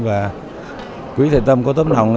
và quý thầy tâm có tấm lòng